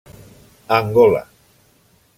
Angola.